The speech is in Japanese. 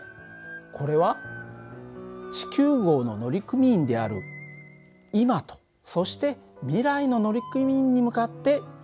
これは地球号の乗組員である今とそして未来の乗組員に向かって謝っていたんです。